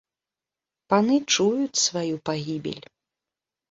Паны чуюць сваю пагібель.